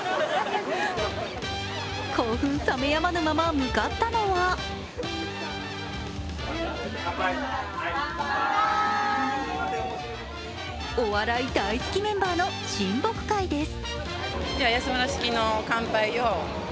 興奮冷めやらぬまま向かったのはお笑い大好きメンバーの親睦会です。